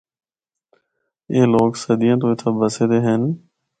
اے لوگ صدیاں تو اِتھا بسے دے ہن۔